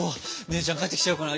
姉ちゃん帰ってきちゃうかな。